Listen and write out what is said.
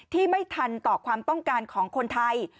ที่ไม่ทันต่อความต้องการของคนไทย